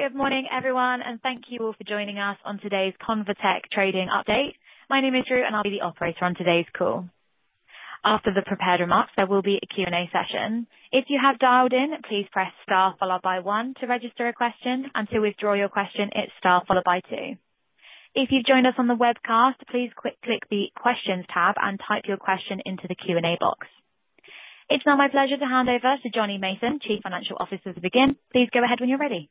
Good morning, everyone, and thank you all for joining us on today's Convatec Trading Update. My name is Ru, and I'll be the operator on today's call. After the prepared remarks, there will be a Q&A session. If you have dialed in, please press star followed by one to register a question, and to withdraw your question, it's star followed by two. If you've joined us on the webcast, please click the questions tab and type your question into the Q&A box. It's now my pleasure to hand over to Jonny Mason, Chief Financial Officer, to begin. Please go ahead when you're ready.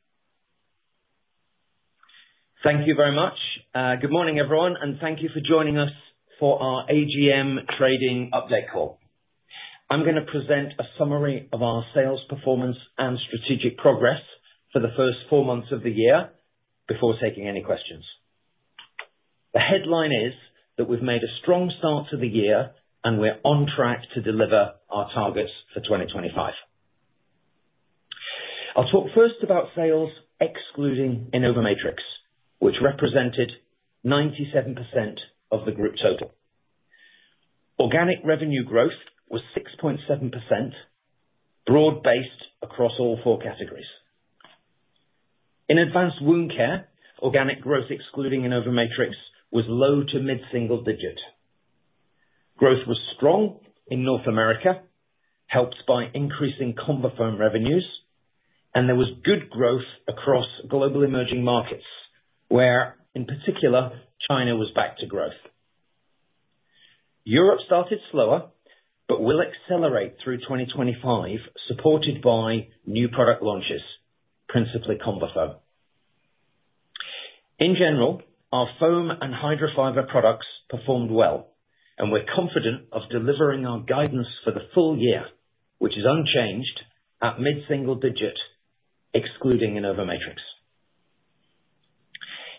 Thank you very much. Good morning, everyone, and thank you for joining us for our AGM Trading update call. I'm going to present a summary of our sales performance and strategic progress for the first four months of the year before taking any questions. The headline is that we've made a strong start to the year, and we're on track to deliver our targets for 2025. I'll talk first about sales excluding Innovamatrix, which represented 97% of the group total. Organic revenue growth was 6.7%, broad-based across all four categories. In Advanced Wound Care, organic growth excluding Innovamatrix was low to mid-single digit. Growth was strong in North America, helped by increasing ConvaFoam revenues, and there was good growth across global emerging markets where, in particular, China was back to growth. Europe started slower but will accelerate through 2025, supported by new product launches, principally ConvaFoam. In general, our Foam and Hydrofiber products performed well, and we're confident of delivering our guidance for the full year, which is unchanged at mid-single digit excluding InnovaMatrix.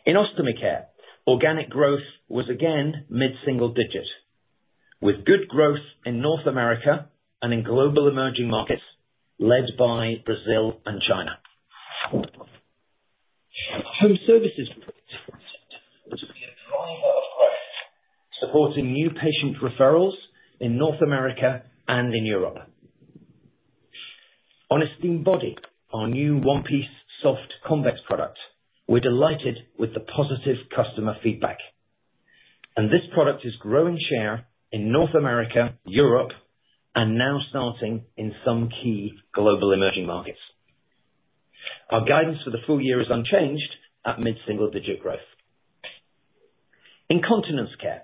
In ostomy care, organic growth was again mid-single digit, with good growth in North America and in global emerging markets led by Brazil and China. Home services was a driver of growth, supporting new patient referrals in North America and in Europe. On Esteem Body, our new One Piece Soft Convex product, we're delighted with the positive customer feedback, and this product is growing share in North America, Europe, and now starting in some key global emerging markets. Our guidance for the full year is unchanged at mid-single digit growth. In continence care,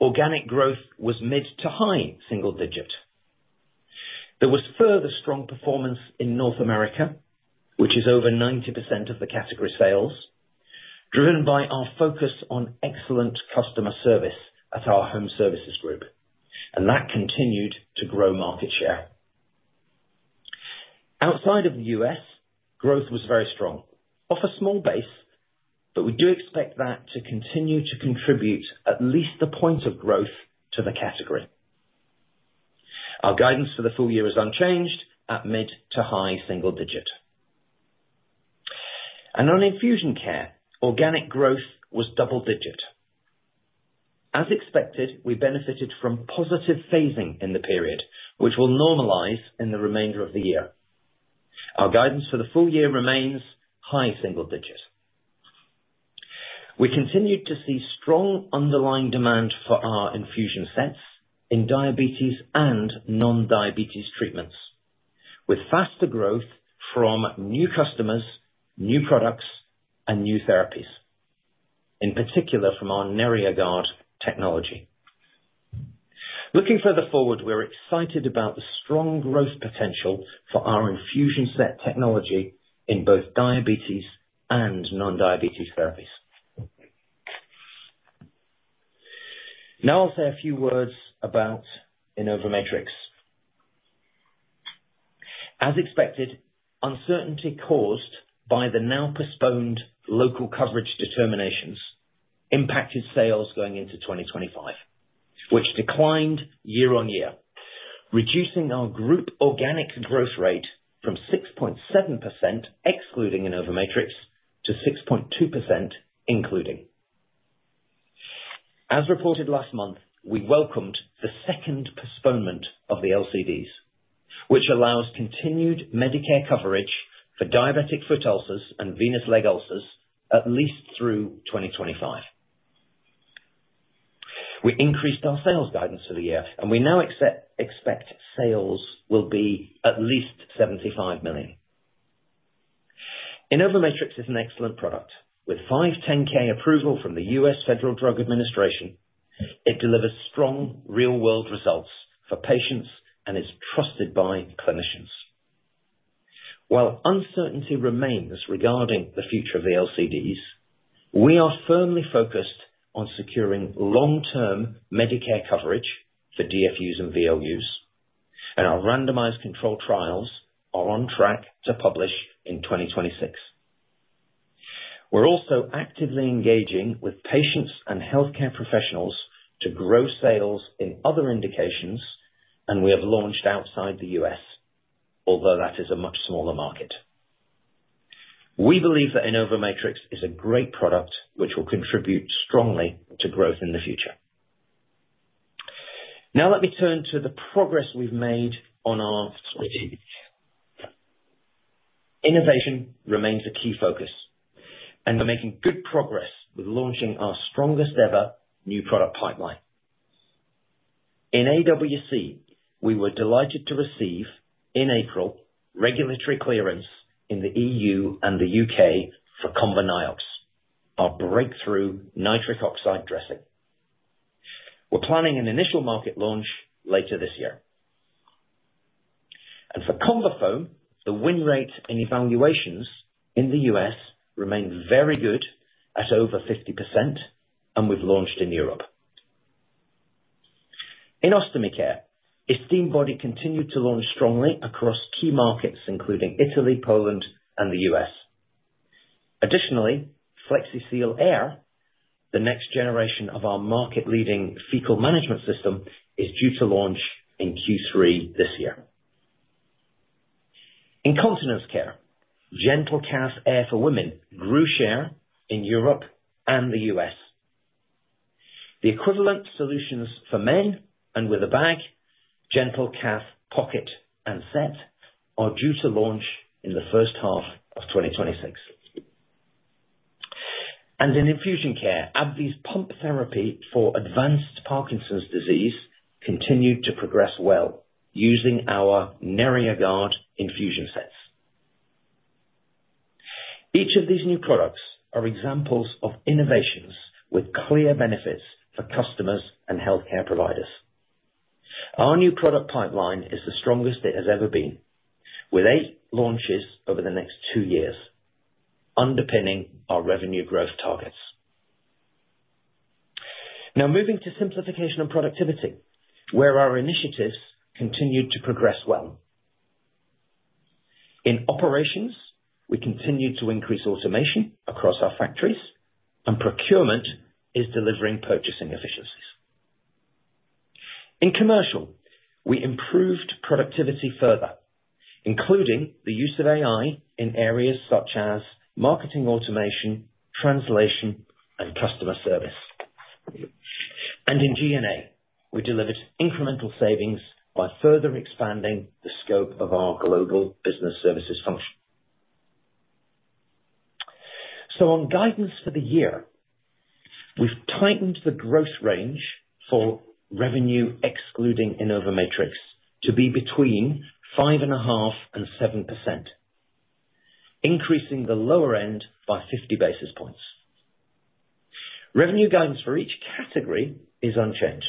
organic growth was mid to high single digit. There was further strong performance in North America, which is over 90% of the category sales, driven by our focus on excellent customer service at our home services group, and that continued to grow market share. Outside of the U.S., growth was very strong, off a small base, but we do expect that to continue to contribute at least a point of growth to the category. Our guidance for the full year is unchanged at mid to high single digit. On infusion care, organic growth was double digit. As expected, we benefited from positive phasing in the period, which will normalize in the remainder of the year. Our guidance for the full year remains high single digit. We continued to see strong underlying demand for our infusion sets in diabetes and non-diabetes treatments, with faster growth from new customers, new products, and new therapies, in particular from our Neria Guard technology. Looking further forward, we're excited about the strong growth potential for our infusion set technology in both diabetes and non-diabetes therapies. Now I'll say a few words about InnovaMatrix. As expected, uncertainty caused by the now postponed Local Coverage Determinations impacted sales going into 2025, which declined year on year, reducing our group organic growth rate from 6.7%, excluding InnovaMatrix, to 6.2%, including. As reported last month, we welcomed the second postponement of the LCDs, which allows continued Medicare coverage for diabetic foot ulcers and venous leg ulcers at least through 2025. We increased our sales guidance for the year, and we now expect sales will be at least $75 million. InnovaMatrix is an excellent product. With 510(k) approval from the U.S. Food and Drug Administration, it delivers strong real-world results for patients and is trusted by clinicians. While uncertainty remains regarding the future of the LCDs, we are firmly focused on securing long-term Medicare coverage for DFUs and VLUs, and our randomized controlled trials are on track to publish in 2026. We're also actively engaging with patients and healthcare professionals to grow sales in other indications, and we have launched outside the U.S., although that is a much smaller market. We believe that Innovamatrix is a great product which will contribute strongly to growth in the future. Now let me turn to the progress we've made on our strategy. Innovation remains a key focus, and we're making good progress with launching our strongest-ever new product pipeline. In AWC, we were delighted to receive in April regulatory clearance in the EU and the U.K. for ComboNiox, our breakthrough nitric oxide dressing. We're planning an initial market launch later this year. For ConvaFoam, the win rate in evaluations in the U.S. remained very good at over 50%, and we've launched in Europe. In ostomy care, Esteem Body continued to launch strongly across key markets including Italy, Poland, and the U.S. Additionally, Flexi-Seal Air, the next generation of our market-leading fecal management system, is due to launch in Q3 this year. In continence care, GentleCath Air for Women grew share in Europe and the U.S. The equivalent solutions for men and with a bag, GentleCath Pocket and Set, are due to launch in the first half of 2026. In infusion care, AbbVie's pump therapy for advanced Parkinson's disease continued to progress well using our NeriaGuard infusion sets. Each of these new products are examples of innovations with clear benefits for customers and healthcare providers. Our new product pipeline is the strongest it has ever been, with eight launches over the next two years, underpinning our revenue growth targets. Now moving to simplification and productivity, where our initiatives continued to progress well. In operations, we continue to increase automation across our factories, and procurement is delivering purchasing efficiencies. In commercial, we improved productivity further, including the use of AI in areas such as marketing automation, translation, and customer service. In G&A, we delivered incremental savings by further expanding the scope of our global business services function. On guidance for the year, we've tightened the growth range for revenue excluding Innovamatrix to be between 5.5% and 7%, increasing the lower end by 50 basis points. Revenue guidance for each category is unchanged.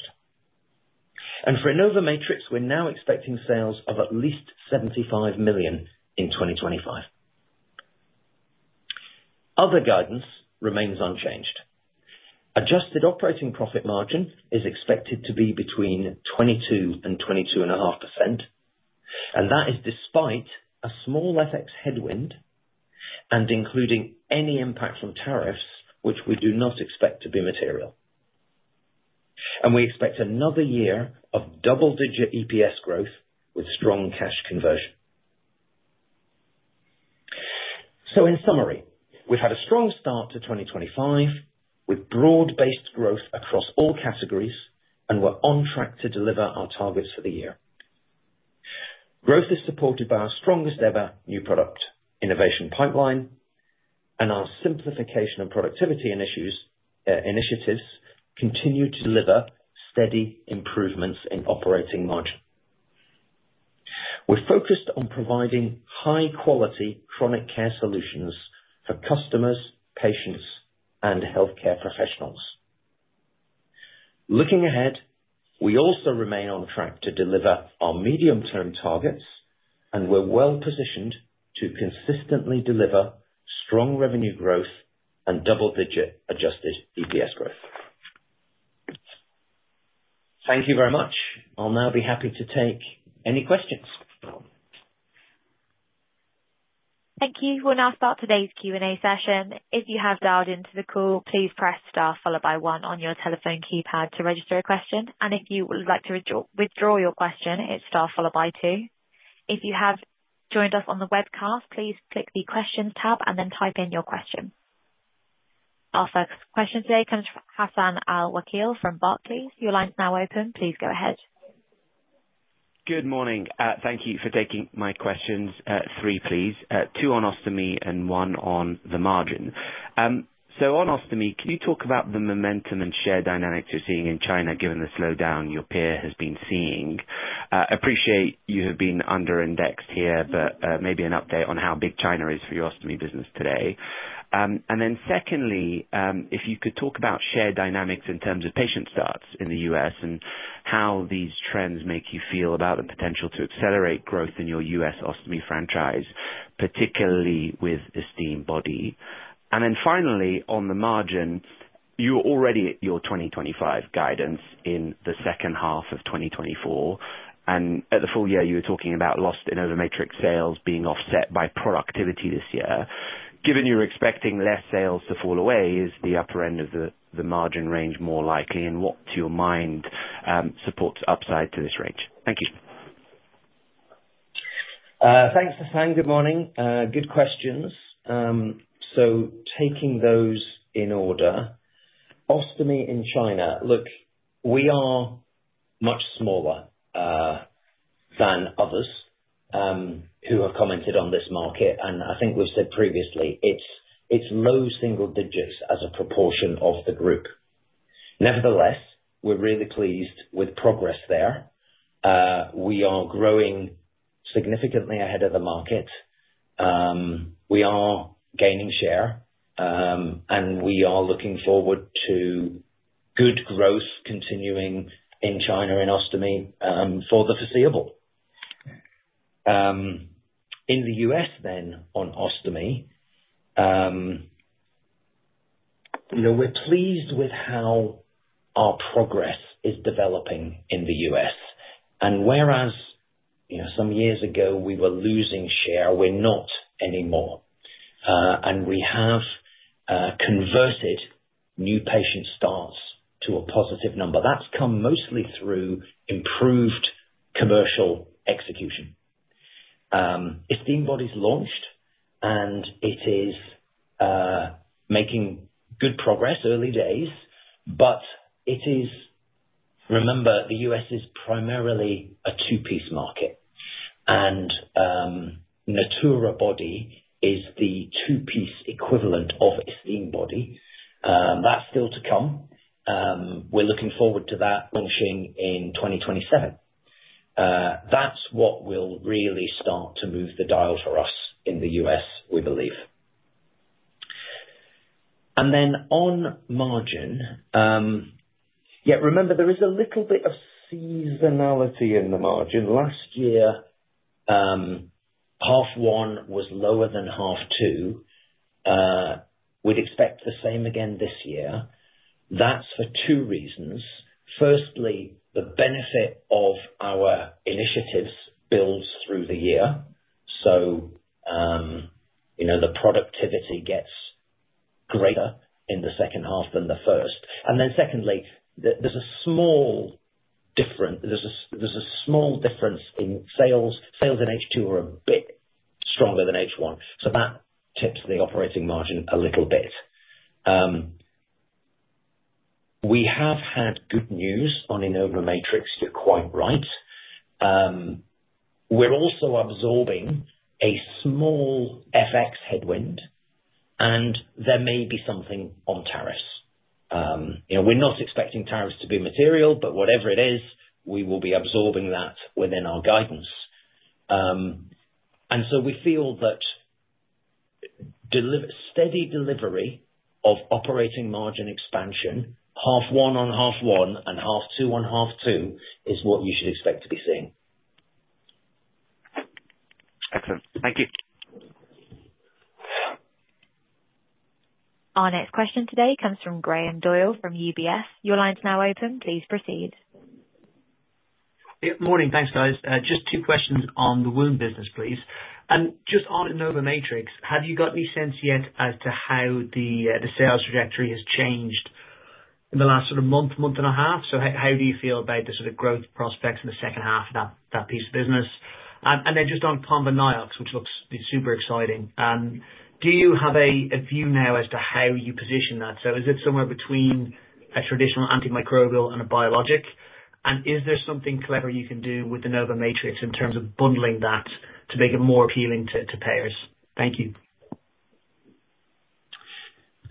For InnovaMatrix, we are now expecting sales of at least $75 million in 2025. Other guidance remains unchanged. Adjusted operating profit margin is expected to be between 22%-22.5%, and that is despite a small FX headwind and including any impact from tariffs, which we do not expect to be material. We expect another year of double-digit EPS growth with strong cash conversion. In summary, we have had a strong start to 2025 with broad-based growth across all categories and we are on track to deliver our targets for the year. Growth is supported by our strongest-ever new product innovation pipeline, and our simplification and productivity initiatives continue to deliver steady improvements in operating margin. We are focused on providing high-quality chronic care solutions for customers, patients, and healthcare professionals. Looking ahead, we also remain on track to deliver our medium-term targets, and we're well-positioned to consistently deliver strong revenue growth and double-digit adjusted EPS growth. Thank you very much. I'll now be happy to take any questions. Thank you. We'll now start today's Q&A session. If you have dialed into the call, please press star followed by one on your telephone keypad to register a question. If you would like to withdraw your question, it's star followed by two. If you have joined us on the webcast, please click the questions tab and then type in your question. Our first question today comes from Hassan Al-Wakeel from Barclays. Your line's now open. Please go ahead. Good morning. Thank you for taking my questions. Three, please. Two on ostomy and one on the margin. On ostomy, can you talk about the momentum and share dynamics you're seeing in China given the slowdown your peer has been seeing? Appreciate you have been under-indexed here, but maybe an update on how big China is for your ostomy business today. Secondly, if you could talk about share dynamics in terms of patient starts in the US and how these trends make you feel about the potential to accelerate growth in your US ostomy franchise, particularly with Esteem Body. Finally, on the margin, you're already at your 2025 guidance in the second half of 2024. At the full year, you were talking about lost Innovamatrix sales being offset by productivity this year. Given you're expecting less sales to fall away, is the upper end of the margin range more likely, and what to your mind supports upside to this range? Thank you. Thanks, Hassan. Good morning. Good questions. Taking those in order, ostomy in China, look, we are much smaller than others who have commented on this market. I think we've said previously, it's low single digits as a proportion of the group. Nevertheless, we're really pleased with progress there. We are growing significantly ahead of the market. We are gaining share, and we are looking forward to good growth continuing in China and ostomy for the foreseeable. In the U.S. on ostomy, we're pleased with how our progress is developing in the U.S. Whereas some years ago we were losing share, we're not anymore. We have converted new patient starts to a positive number. That's come mostly through improved commercial execution. Esteem Body's launched, and it is making good progress, early days. Remember, the U.S. is primarily a two-piece market, and Natura Body is the two-piece equivalent of Esteem Body. That is still to come. We are looking forward to that launching in 2027. That is what will really start to move the dial for us in the U.S., we believe. On margin, yeah, remember there is a little bit of seasonality in the margin. Last year, half one was lower than half two. We would expect the same again this year. That is for two reasons. Firstly, the benefit of our initiatives builds through the year, so the productivity gets greater in the second half than the first. Secondly, there is a small difference in sales. Sales in H2 are a bit stronger than H1, so that tips the operating margin a little bit. We have had good news on Innovamatrix, you are quite right. We're also absorbing a small FX headwind, and there may be something on tariffs. We're not expecting tariffs to be material, but whatever it is, we will be absorbing that within our guidance. We feel that steady delivery of operating margin expansion, half one on half one and half two on half two, is what you should expect to be seeing. Excellent. Thank you. Our next question today comes from Graham Doyle from UBS. Your line's now open. Please proceed. Good morning. Thanks, guys. Just two questions on the wound business, please. Just on Innovamatrix, have you got any sense yet as to how the sales trajectory has changed in the last sort of month, month and a half? How do you feel about the sort of growth prospects in the second half of that piece of business? Just on ComboNiox, which looks super exciting. Do you have a view now as to how you position that? Is it somewhere between a traditional antimicrobial and a biologic? Is there something clever you can do with InnovaMatrix in terms of bundling that to make it more appealing to payers? Thank you.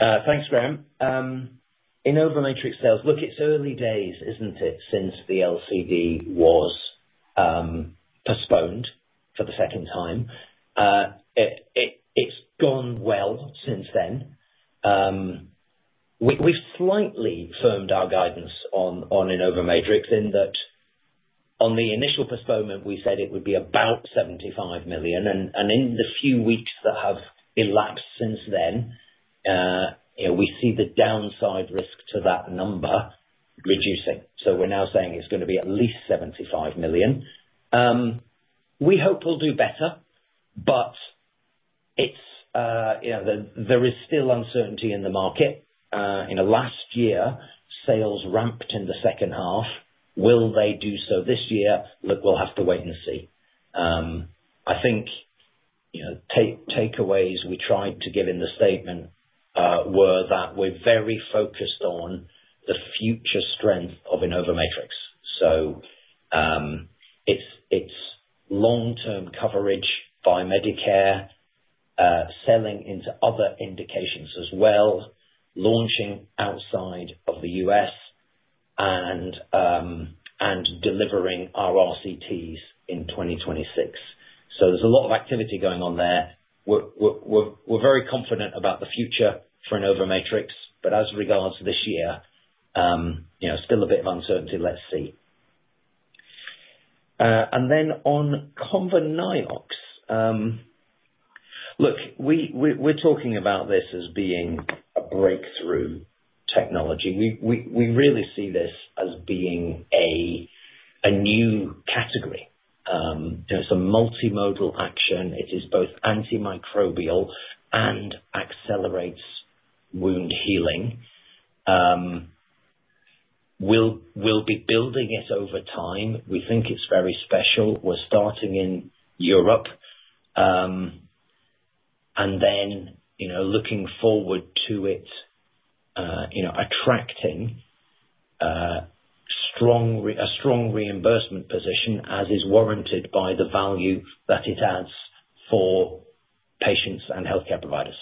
Thanks, Graham. InnovaMatrix sales, look, it's early days, isn't it, since the LCD was postponed for the second time. It's gone well since then. We've slightly firmed our guidance on InnovaMatrix in that on the initial postponement, we said it would be about $75 million. And in the few weeks that have elapsed since then, we see the downside risk to that number reducing. So we're now saying it's going to be at least $75 million. We hope we'll do better, but there is still uncertainty in the market. Last year, sales ramped in the second half. Will they do so this year? Look, we'll have to wait and see. I think takeaways we tried to give in the statement were that we're very focused on the future strength of InnovaMatrix. It is long-term coverage by Medicare, selling into other indications as well, launching outside of the U.S., and delivering our RCTs in 2026. There is a lot of activity going on there. We are very confident about the future for Innovamatrix, but as regards this year, still a bit of uncertainty. Let's see. On ComboNiox, look, we are talking about this as being a breakthrough technology. We really see this as being a new category. It is a multimodal action. It is both antimicrobial and accelerates wound healing. We will be building it over time. We think it is very special. We are starting in Europe. Looking forward to it attracting a strong reimbursement position, as is warranted by the value that it adds for patients and healthcare providers.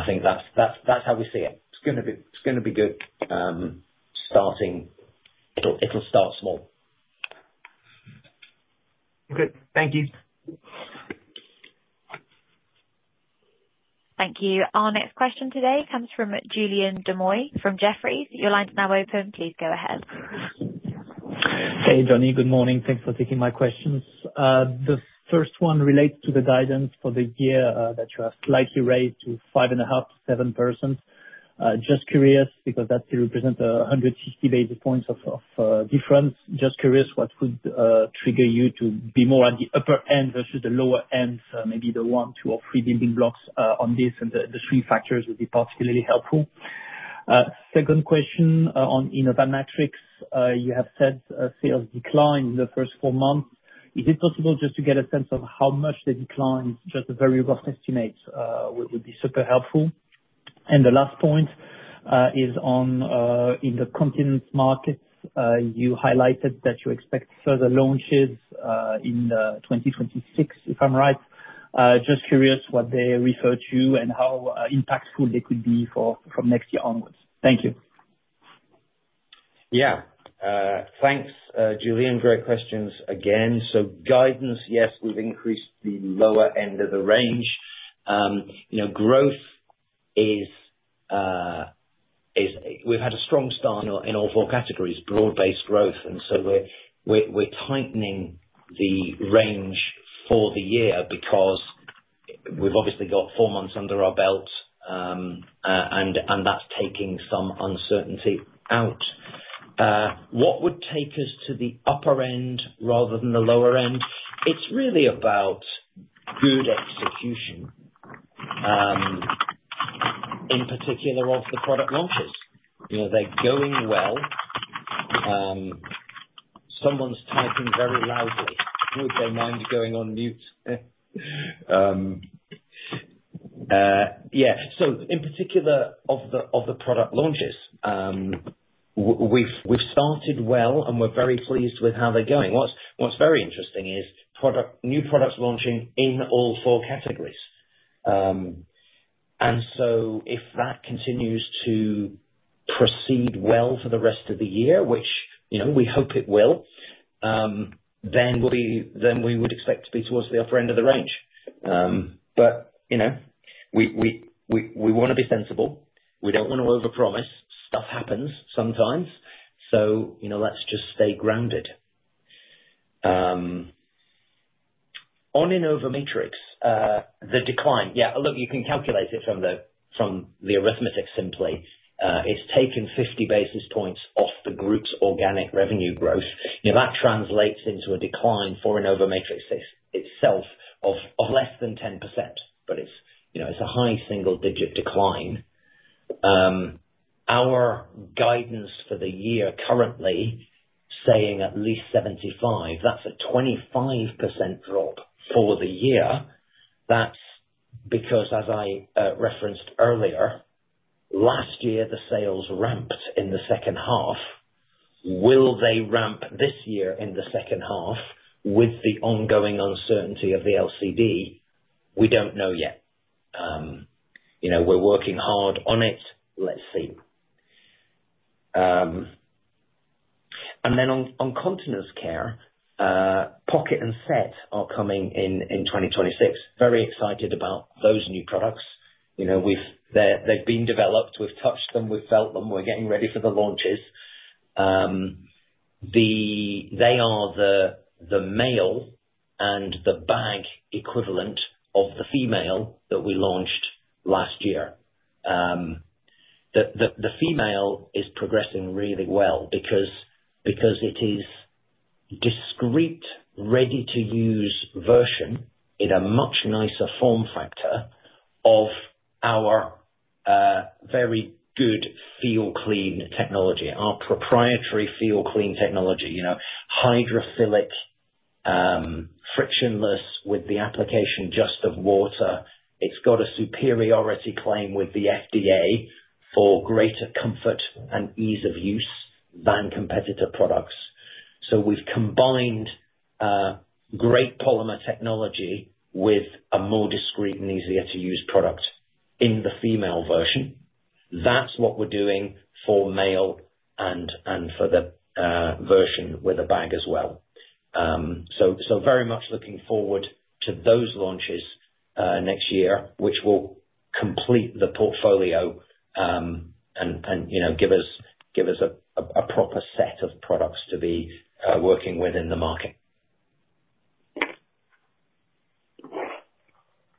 I think that is how we see it. It is going to be a good starting. It will start small. Good. Thank you. Thank you. Our next question today comes from Julien Dumoulin from Jefferies. Your line's now open. Please go ahead. Hey, Jonny. Good morning. Thanks for taking my questions. The first one relates to the guidance for the year that you have slightly raised to 5.5%-7%. Just curious because that represents 150 basis points of difference. Just curious what would trigger you to be more at the upper end versus the lower end, maybe the one, two, or three building blocks on this, and the three factors would be particularly helpful. Second question on InnovaMatrix. You have said sales declined in the first four months. Is it possible just to get a sense of how much the decline is? Just a very rough estimate would be super helpful. And the last point is on the continence markets. You highlighted that you expect further launches in 2026, if I'm right. Just curious what they refer to and how impactful they could be from next year onwards. Thank you. Yeah. Thanks, Julien. Great questions again. Guidance, yes, we've increased the lower end of the range. Growth is we've had a strong start in all four categories, broad-based growth. We are tightening the range for the year because we've obviously got four months under our belt, and that's taking some uncertainty out. What would take us to the upper end rather than the lower end? It's really about good execution, in particular of the product launches. They're going well. Someone's typing very loudly. Would they mind going on mute? Yeah. In particular of the product launches, we've started well, and we're very pleased with how they're going. What's very interesting is new products launching in all four categories. If that continues to proceed well for the rest of the year, which we hope it will, then we would expect to be towards the upper end of the range. We want to be sensible. We do not want to overpromise. Stuff happens sometimes. Let us just stay grounded. On InnovaMatrix, the decline. Yeah. Look, you can calculate it from the arithmetic simply. It has taken 50 basis points off the group's organic revenue growth. That translates into a decline for Innovamatrix itself of less than 10%, but it is a high single-digit decline. Our guidance for the year currently saying at least 75, that is a 25% drop for the year. That is because, as I referenced earlier, last year, the sales ramped in the second half. Will they ramp this year in the second half with the ongoing uncertainty of the LCD? We do not know yet. We're working hard on it. Let's see. On continence care, Pocket and Set are coming in 2026. Very excited about those new products. They've been developed. We've touched them. We've felt them. We're getting ready for the launches. They are the male and the bag equivalent of the female that we launched last year. The female is progressing really well because it is a discreet, ready-to-use version in a much nicer form factor of our very good FeelClean technology, our proprietary FeelClean technology, hydrophilic, frictionless with the application just of water. It's got a superiority claim with the FDA for greater comfort and ease of use than competitor products. We've combined great polymer technology with a more discreet and easier-to-use product in the female version. That's what we're doing for male and for the version with a bag as well. Very much looking forward to those launches next year, which will complete the portfolio and give us a proper set of products to be working with in the market.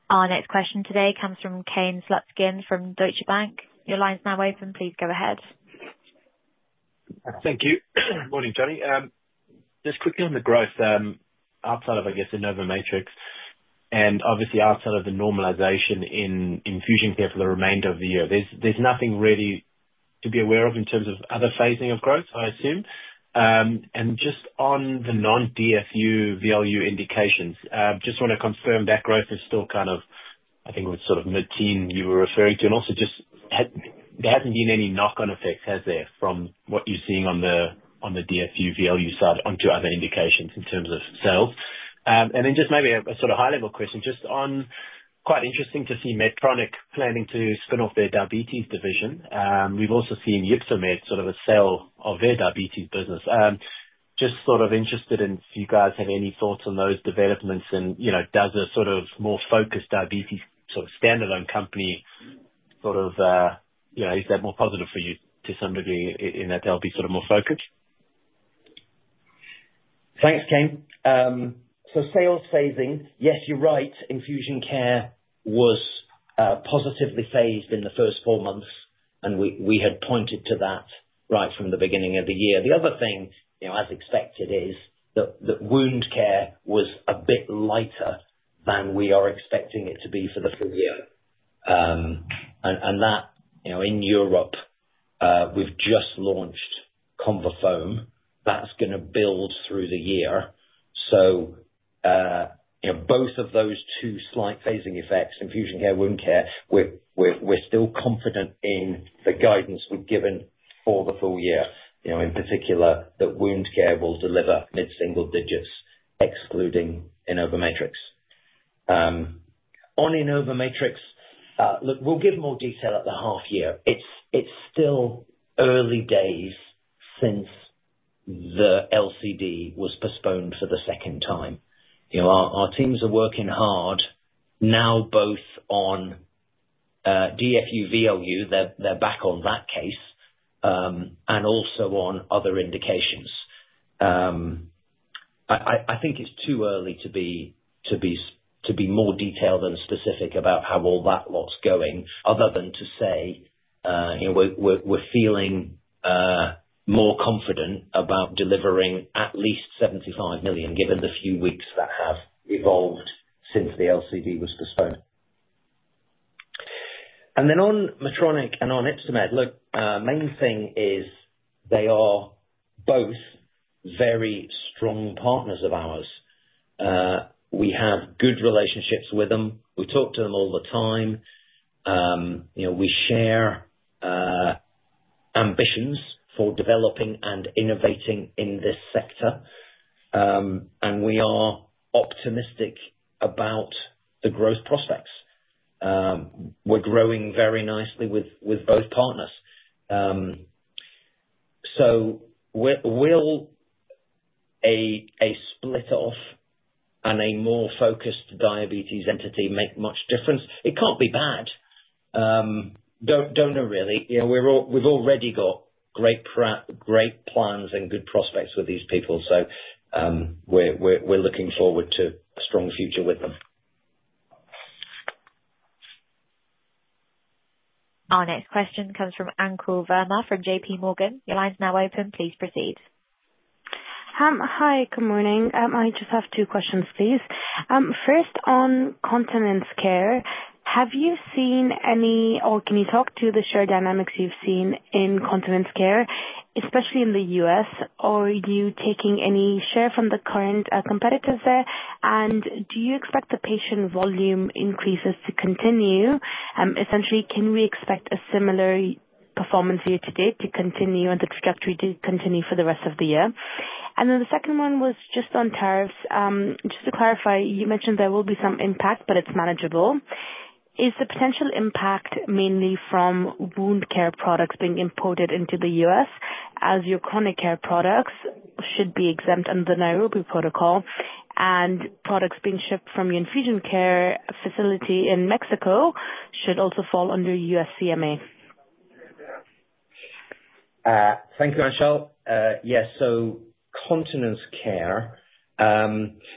Our next question today comes from Kane Slutzkin from Deutsche Bank. Your line's now open. Please go ahead. Thank you. Morning, Jonny. Just quickly on the growth outside of, I guess, InnovaMatrix and obviously outside of the normalization in infusion care for the remainder of the year, there's nothing really to be aware of in terms of other phasing of growth, I assume. Just on the non-DFU value indications, just want to confirm that growth is still kind of, I think, sort of mid-teen you were referring to. Also, just there hasn't been any knock-on effect, has there, from what you're seeing on the DFU value side onto other indications in terms of sales. Just maybe a sort of high-level question. Quite interesting to see Medtronic planning to spin off their diabetes division. We've also seen Ypsomed sort of a sale of their diabetes business. Just sort of interested in if you guys have any thoughts on those developments, and does a sort of more focused diabetes sort of standalone company, is that more positive for you to some degree in that they'll be sort of more focused? Thanks, Kane. Sales phasing, yes, you're right. Infusion care was positively phased in the first four months, and we had pointed to that right from the beginning of the year. The other thing, as expected, is that wound care was a bit lighter than we are expecting it to be for the full year. In Europe, we've just launched ConvaFoam. That is going to build through the year. Both of those two slight phasing effects, infusion care, wound care, we're still confident in the guidance we've given for the full year, in particular that wound care will deliver mid-single digits, excluding Innovamatrix. On InnovaMatrix, look, we'll give more detail at the half year. It's still early days since the LCD was postponed for the second time. Our teams are working hard now both on DFU, VLU. They're back on that case and also on other indications. I think it's too early to be more detailed and specific about how all that lot's going other than to say we're feeling more confident about delivering at least $75 million given the few weeks that have evolved since the LCD was postponed. On Medtronic and on Ypsomed, look, main thing is they are both very strong partners of ours. We have good relationships with them. We talk to them all the time. We share ambitions for developing and innovating in this sector, and we are optimistic about the growth prospects. We're growing very nicely with both partners. Will a split-off and a more focused diabetes entity make much difference? It can't be bad. Don't know really. We've already got great plans and good prospects with these people, so we're looking forward to a strong future with them. Our next question comes from Anchal Verma from J.P. Morgan. Your line's now open. Please proceed. Hi. Good morning. I just have two questions, please. First, on continence care, have you seen any or can you talk to the share dynamics you've seen in continence care, especially in the U.S.? Are you taking any share from the current competitors there? Do you expect the patient volume increases to continue? Essentially, can we expect a similar performance year to date to continue and the trajectory to continue for the rest of the year? The second one was just on tariffs. Just to clarify, you mentioned there will be some impact, but it's manageable. Is the potential impact mainly from wound care products being imported into the U.S. as your chronic care products should be exempt under the Nairobi Protocol? Products being shipped from your infusion care facility in Mexico should also fall under USMCA? Thank you, Anchal. Yes. So continence care.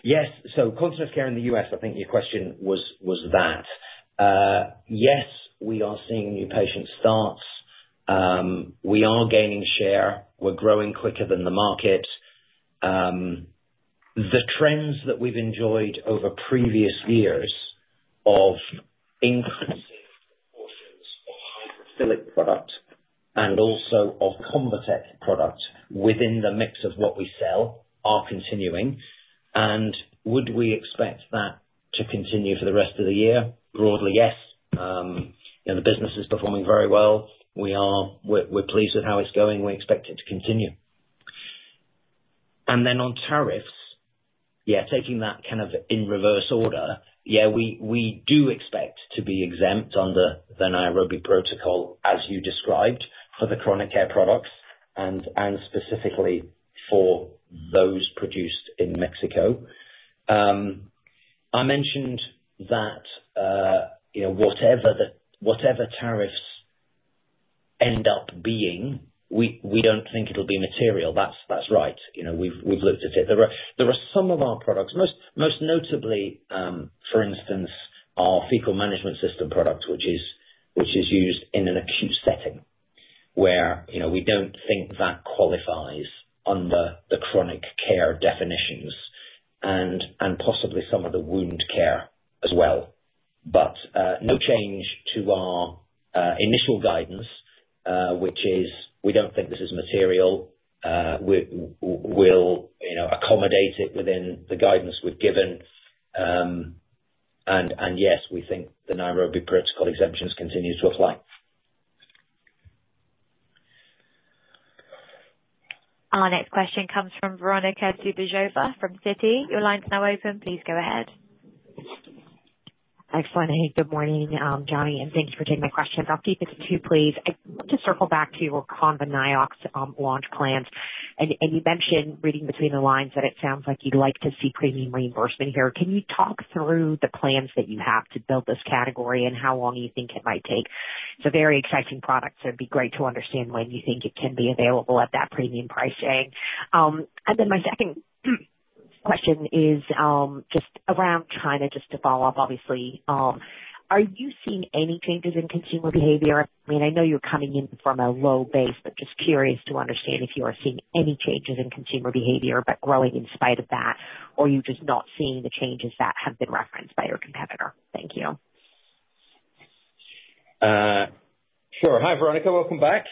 Yes. So continence care in the U.S., I think your question was that. Yes, we are seeing new patient starts. We are gaining share. We are growing quicker than the market. The trends that we have enjoyed over previous years of increasing proportions of hydrophilic product and also of Convatec product within the mix of what we sell are continuing. Would we expect that to continue for the rest of the year? Broadly, yes. The business is performing very well. We are pleased with how it is going. We expect it to continue. On tariffs, taking that in reverse order, we do expect to be exempt under the Nairobi Protocol, as you described, for the chronic care products and specifically for those produced in Mexico. I mentioned that whatever tariffs end up being, we do not think it will be material. That's right. We've looked at it. There are some of our products, most notably, for instance, our fecal management system product, which is used in an acute setting where we don't think that qualifies under the chronic care definitions and possibly some of the wound care as well. No change to our initial guidance, which is we don't think this is material. We'll accommodate it within the guidance we've given. Yes, we think the Nairobi Protocol exemptions continue to apply. Our next question comes from Veronika Dubajova from Citi. Your line's now open. Please go ahead. Thanks, Bonnie. Good morning, Jonny. And thanks for taking my question. I'll keep it to two, please. I want to circle back to your ComboNiox launch plans. You mentioned, reading between the lines, that it sounds like you'd like to see premium reimbursement here. Can you talk through the plans that you have to build this category and how long you think it might take? It's a very exciting product, so it'd be great to understand when you think it can be available at that premium pricing. My second question is just around China, just to follow up, obviously. Are you seeing any changes in consumer behavior? I mean, I know you're coming in from a low base, but just curious to understand if you are seeing any changes in consumer behavior, but growing in spite of that, or you're just not seeing the changes that have been referenced by your competitor. Thank you. Sure. Hi, Veronica. Welcome back.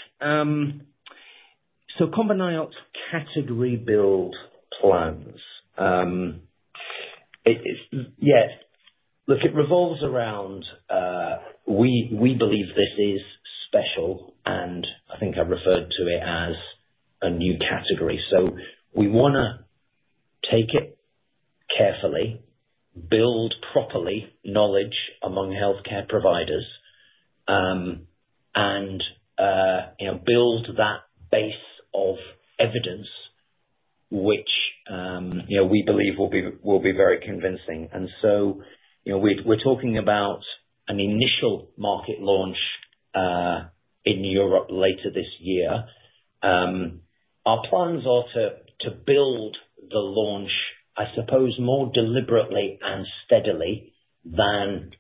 CombineNiox category build plans. Yeah. Look, it revolves around we believe this is special, and I think I referred to it as a new category. We want to take it carefully, build properly knowledge among healthcare providers, and build that base of evidence, which we believe will be very convincing. We are talking about an initial market launch in Europe later this year. Our plans are to build the launch, I suppose, more deliberately and steadily than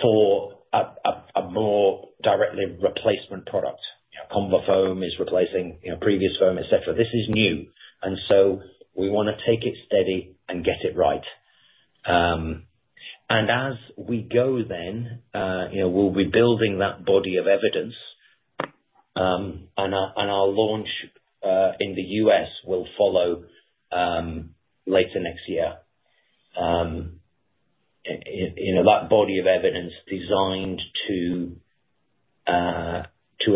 for a more directly replacement product. ConvaFoam is replacing previous foam, etc. This is new. We want to take it steady and get it right. As we go then, we'll be building that body of evidence, and our launch in the US will follow later next year. That body of evidence designed to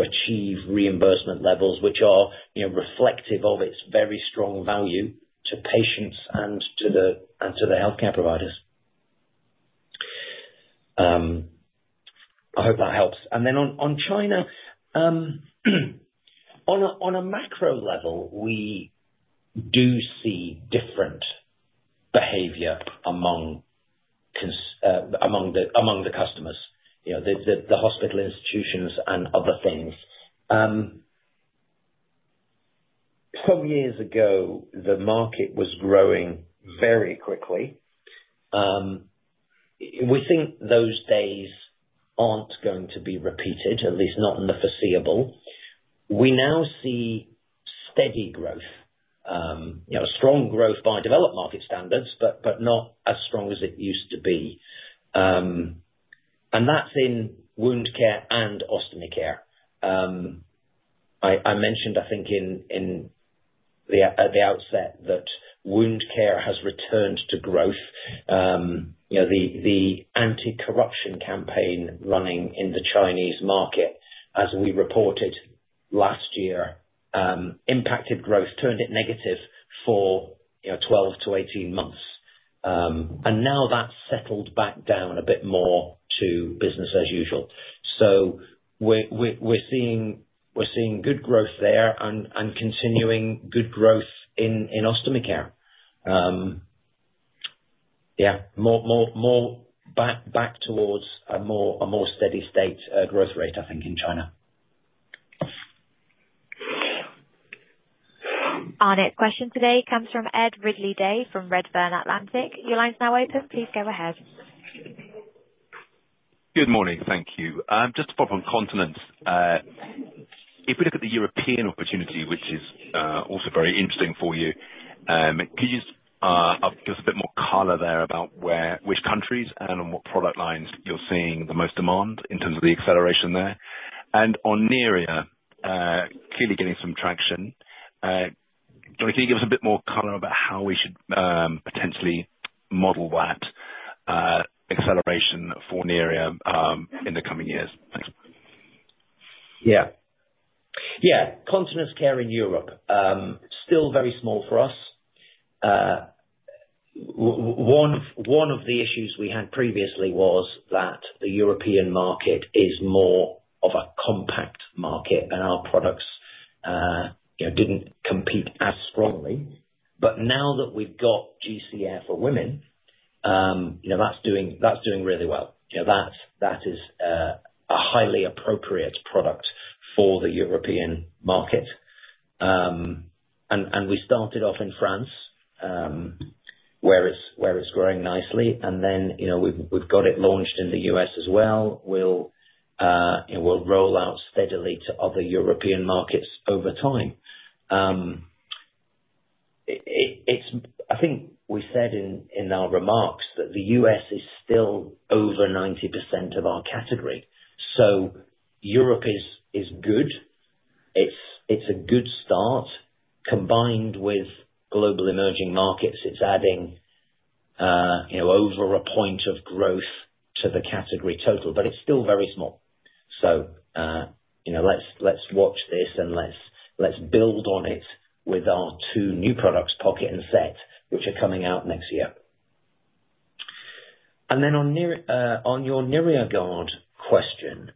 achieve reimbursement levels, which are reflective of its very strong value to patients and to the healthcare providers. I hope that helps. On China, on a macro level, we do see different behavior among the customers, the hospital institutions, and other things. Some years ago, the market was growing very quickly. We think those days are not going to be repeated, at least not in the foreseeable. We now see steady growth, strong growth by developed market standards, but not as strong as it used to be. That is in wound care and ostomy care. I mentioned, I think, in the outset that wound care has returned to growth. The anti-corruption campaign running in the Chinese market, as we reported last year, impacted growth, turned it negative for 12-18 months. Now that's settled back down a bit more to business as usual. We're seeing good growth there and continuing good growth in ostomy care. Yeah. More back towards a more steady state growth rate, I think, in China. Our next question today comes from Ed Ridley-Day from Redburn Atlantic. Your line's now open. Please go ahead. Good morning. Thank you. Just to follow up on continence, if we look at the European opportunity, which is also very interesting for you, could you just give us a bit more color there about which countries and on what product lines you're seeing the most demand in terms of the acceleration there? On Neria, clearly getting some traction. Jonny, can you give us a bit more color about how we should potentially model that acceleration for Neria in the coming years? Thanks. Yeah. Yeah. Continence care in Europe is still very small for us. One of the issues we had previously was that the European market is more of a compact market, and our products did not compete as strongly. Now that we have got GentleCath Air for Women, that is doing really well. That is a highly appropriate product for the European market. We started off in France, where it is growing nicely. We have it launched in the U.S., as well. We will roll out steadily to other European markets over time. I think we said in our remarks that the U.S., is still over 90% of our category. Europe is good. It is a good start. Combined with global emerging markets, it is adding over a point of growth to the category total, but it is still very small. Let's watch this and let's build on it with our two new products, Pocket and Set, which are coming out next year. On your NerioGuard question,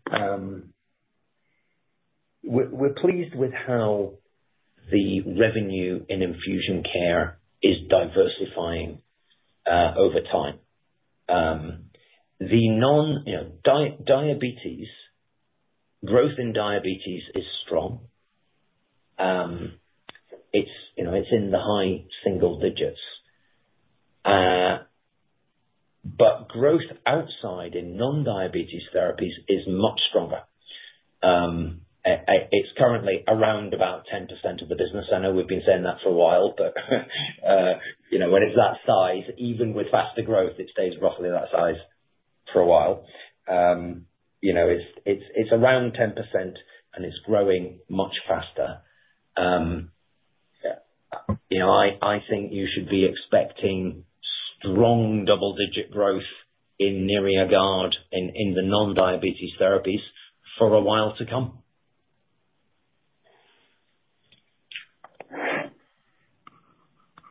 we're pleased with how the revenue in infusion care is diversifying over time. Growth in diabetes is strong. It's in the high single digits. Growth outside in non-diabetes therapies is much stronger. It's currently around 10% of the business. I know we've been saying that for a while, but when it's that size, even with faster growth, it stays roughly that size for a while. It's around 10%, and it's growing much faster. Yeah. I think you should be expecting strong double-digit growth in NerioGuard in the non-diabetes therapies for a while to come.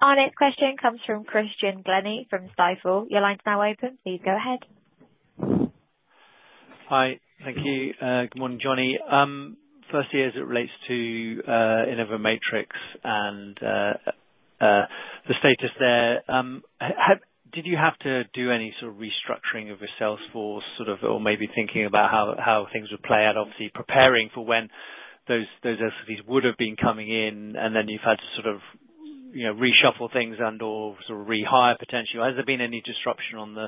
Our next question comes from Christian Glennie from Stifel. Your line's now open. Please go ahead. Hi. Thank you. Good morning, Jonny. First, as it relates to InnovaMatrix and the status there. Did you have to do any sort of restructuring of your sales force or maybe thinking about how things would play out, obviously preparing for when those SOPs would have been coming in, and then you've had to sort of reshuffle things and/or sort of rehire potentially? Has there been any disruption on the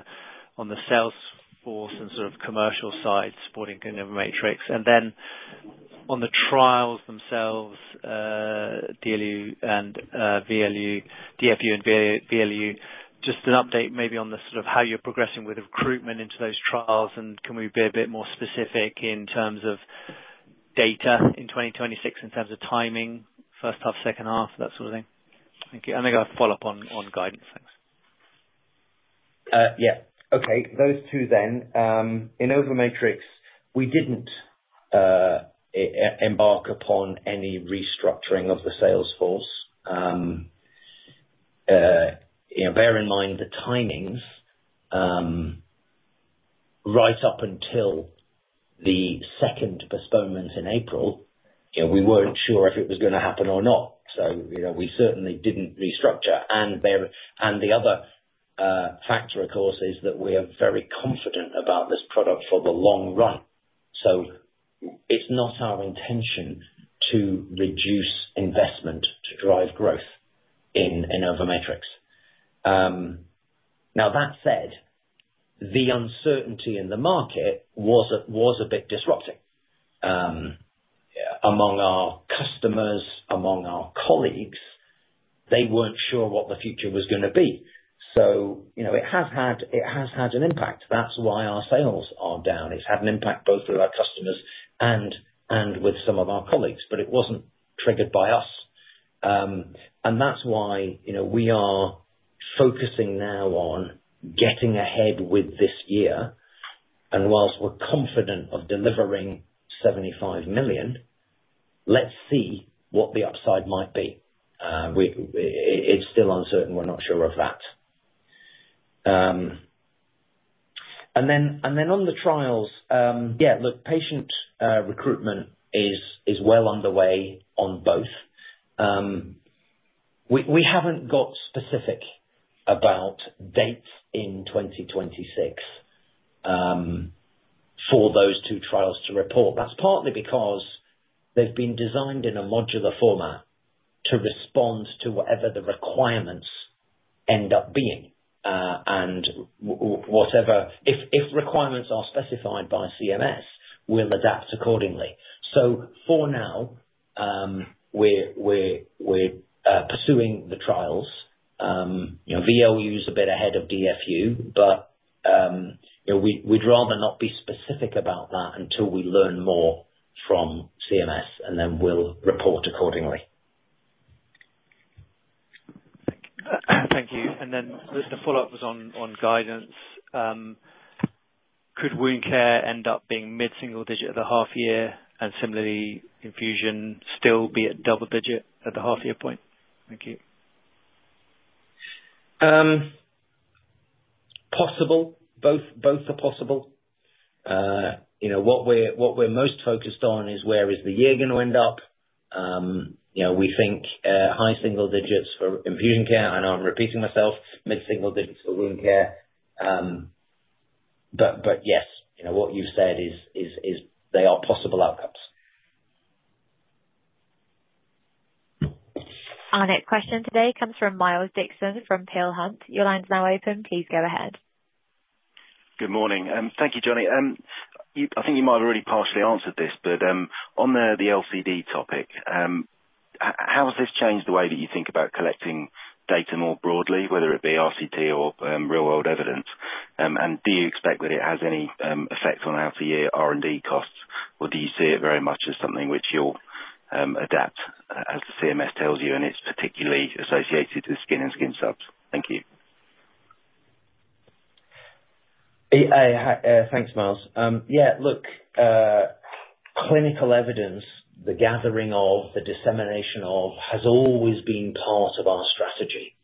sales force and sort of commercial side supporting InnovaMatrix? And then on the trials themselves, DFU and VLU, just an update maybe on the sort of how you're progressing with recruitment into those trials, and can we be a bit more specific in terms of data in 2026 in terms of timing, first half, second half, that sort of thing? Thank you. And then I'll follow up on guidance. Thanks. Yeah. Okay. Those two then. InnovaMatrix, we did not embark upon any restructuring of the sales force. Bear in mind the timings right up until the second postponement in April, we were not sure if it was going to happen or not. We certainly did not restructure. The other factor, of course, is that we are very confident about this product for the long run. It is not our intention to reduce investment to drive growth in InnovaMatrix. That said, the uncertainty in the market was a bit disrupting among our customers, among our colleagues. They were not sure what the future was going to be. It has had an impact. That is why our sales are down. It has had an impact both with our customers and with some of our colleagues, but it was not triggered by us. That is why we are focusing now on getting ahead with this year. Whilst we're confident of delivering $75 million, let's see what the upside might be. It's still uncertain. We're not sure of that. On the trials, yeah, look, patient recruitment is well underway on both. We haven't got specific about dates in 2026 for those two trials to report. That's partly because they've been designed in a modular format to respond to whatever the requirements end up being. If requirements are specified by CMS, we'll adapt accordingly. For now, we're pursuing the trials. VLU is a bit ahead of DFU, but we'd rather not be specific about that until we learn more from CMS, and then we'll report accordingly. Thank you. The follow-up was on guidance. Could wound care end up being mid-single digit at the half year? Similarly, could infusion still be at double digit at the half year point? Thank you. Possible. Both are possible. What we're most focused on is where is the year going to end up? We think high single digits for infusion care. I know I'm repeating myself. Mid-single digits for wound care. Yes, what you've said is they are possible outcomes. Our next question today comes from Miles Dixon from Peel Hunt. Your line's now open. Please go ahead. Good morning. Thank you, Jonny. I think you might have already partially answered this, but on the LCD topic, how has this changed the way that you think about collecting data more broadly, whether it be RCT or real-world evidence? Do you expect that it has any effect on out-of-year R&D costs, or do you see it very much as something which you'll adapt as the CMS tells you and it's particularly associated with skin and skin subs? Thank you. Thanks, Miles. Yeah. Look, clinical evidence, the gathering of, the dissemination of, has always been part of our strategy.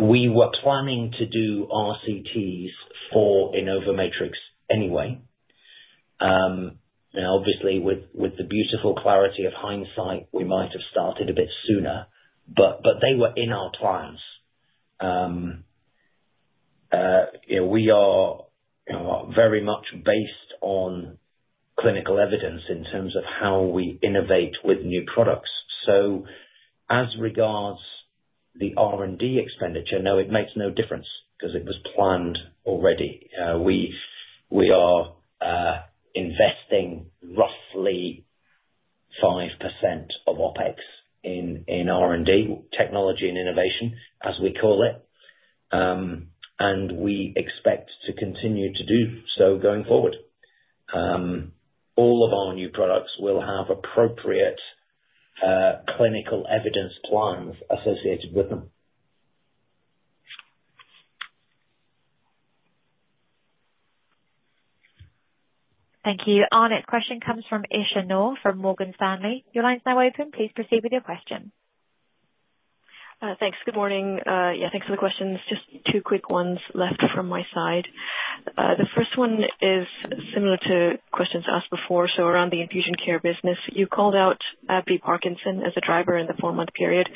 We were planning to do RCTs for InnovaMatrix anyway. Now, obviously, with the beautiful clarity of hindsight, we might have started a bit sooner, but they were in our plans. We are very much based on clinical evidence in terms of how we innovate with new products. As regards the R&D expenditure, no, it makes no difference because it was planned already. We are investing roughly 5% of OpEx in R&D, technology and innovation, as we call it. We expect to continue to do so going forward. All of our new products will have appropriate clinical evidence plans associated with them. Thank you. Our next question comes from Aisya Noor from Morgan Stanley. Your line's now open. Please proceed with your question. Thanks. Good morning. Yeah, thanks for the questions. Just two quick ones left from my side. The first one is similar to questions asked before. Around the infusion care business, you called out B Parkinson as a driver in the four-month period.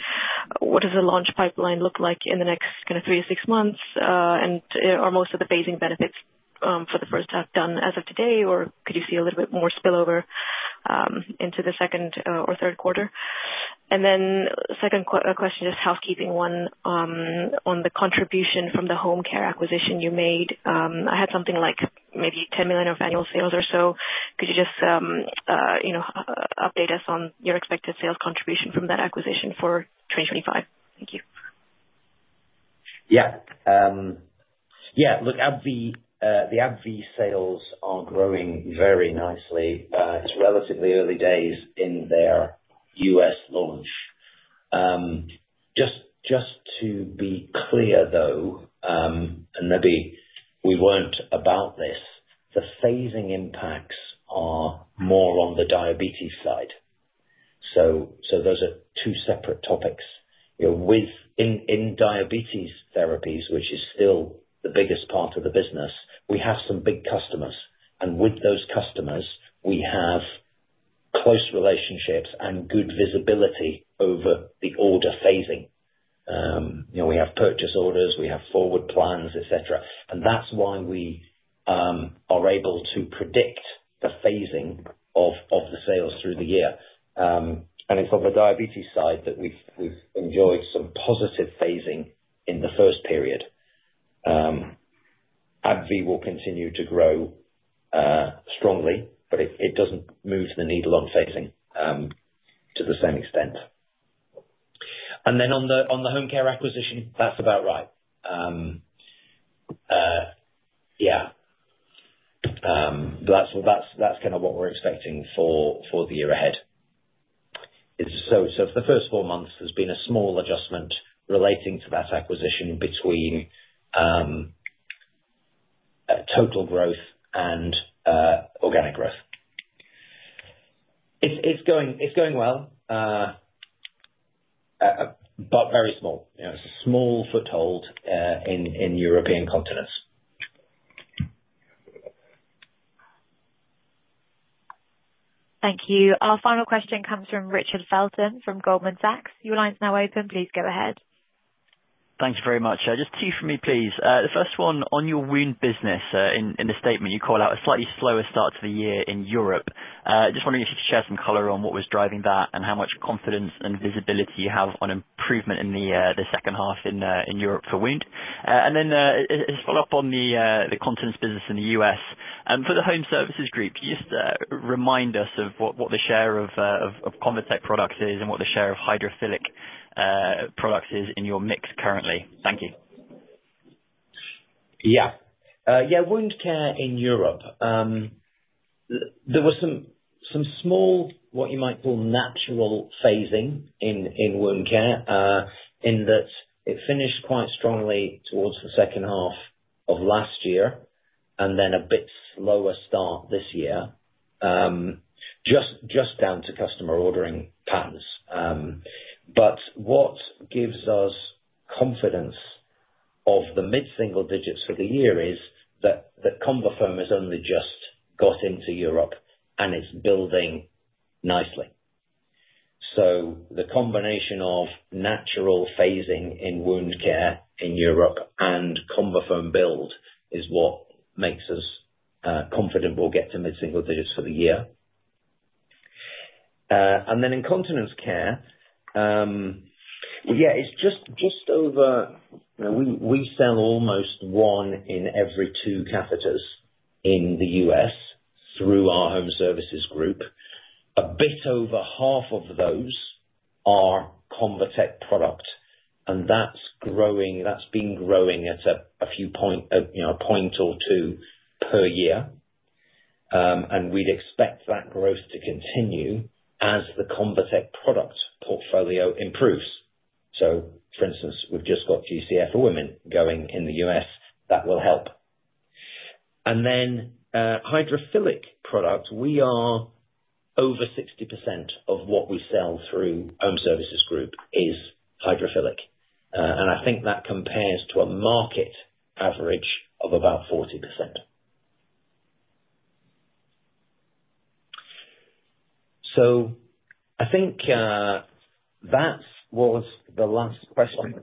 What does the launch pipeline look like in the next kind of three to six months? Are most of the phasing benefits for the first half done as of today, or could you see a little bit more spillover into the second or third quarter? Second question, just a housekeeping one on the contribution from the home care acquisition you made. I had something like maybe $10 million of annual sales or so. Could you just update us on your expected sales contribution from that acquisition for 2025? Thank you. Yeah. Yeah. Look, the AbbVie sales are growing very nicely. It's relatively early days in their U.S., launch. Just to be clear, though, and maybe we were not about this, the phasing impacts are more on the diabetes side. Those are two separate topics. In diabetes therapies, which is still the biggest part of the business, we have some big customers. With those customers, we have close relationships and good visibility over the order phasing. We have purchase orders, we have forward plans, etc. That's why we are able to predict the phasing of the sales through the year. It's on the diabetes side that we've enjoyed some positive phasing in the first period. AbbVie will continue to grow strongly, but it does not move the needle on phasing to the same extent. On the home care acquisition, that's about right. Yeah. That's kind of what we're expecting for the year ahead. For the first four months, there's been a small adjustment relating to that acquisition between total growth and organic growth. It's going well, but very small. It's a small foothold in European continents. Thank you. Our final question comes from Richard Felton from Goldman Sachs. Your line's now open. Please go ahead. Thanks very much. Just two for me, please. The first one, on your wound business, in the statement, you call out a slightly slower start to the year in Europe. Just wondering if you could share some color on what was driving that and how much confidence and visibility you have on improvement in the second half in Europe for wound. Then just follow up on the continence business in the U.S. For the home services group, can you just remind us of what the share of ComboTec products is and what the share of hydrophilic products is in your mix currently? Thank you. Yeah. Yeah. Wound care in Europe, there was some small, what you might call natural phasing in wound care in that it finished quite strongly towards the second half of last year and then a bit slower start this year, just down to customer ordering patterns. What gives us confidence of the mid-single digits for the year is that Convafoam has only just got into Europe, and it's building nicely. The combination of natural phasing in wound care in Europe and ConvaFoam build is what makes us confident we'll get to mid-single digits for the year. In continence care, yeah, it's just over we sell almost one in every two catheters in the U.S., through our home services group. A bit over half of those are ComboTec product, and that's been growing at a point or two per year. We'd expect that growth to continue as the ComboTec product portfolio improves. For instance, we've just got GentleCath Air for Women going in the U.S. That will help. The hydrophilic product, we are over 60% of what we sell through Home Services Group is hydrophilic. I think that compares to a market average of about 40%. I think that was the last question.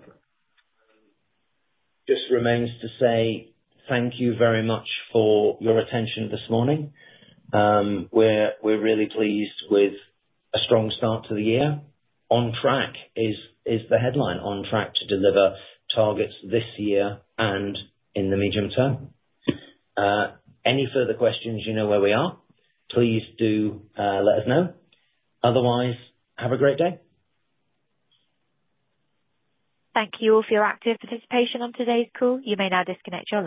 Just remains to say thank you very much for your attention this morning. We're really pleased with a strong start to the year. On track is the headline, on track to deliver targets this year and in the medium term. Any further questions, you know where we are. Please do let us know. Otherwise, have a great day. Thank you all for your active participation on today's call. You may now disconnect your line.